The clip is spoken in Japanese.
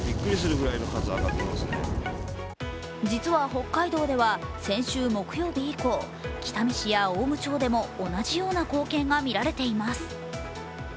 実は北海道では先週木曜日以降、北見市や雄武町でも同じような光景がみられています。